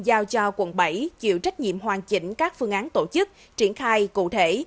giao cho quận bảy chịu trách nhiệm hoàn chỉnh các phương án tổ chức triển khai cụ thể